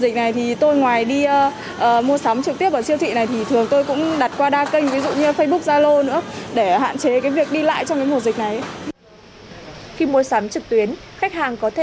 khi mua sắm trực tuyến khách hàng có thể